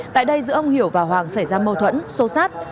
tại đây giữa ông hiểu và hoàng xảy ra mâu thuẫn xô xát